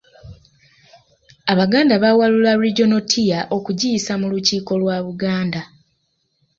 Abaganda baawalula Regional Tier okugiyisa mu Lukiiko lwa Buganda,